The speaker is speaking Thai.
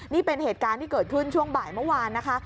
นี่เป็นเหตุการณ์ที่เกิดขึ้นช่วงบ่ายเมื่อวานนะคะ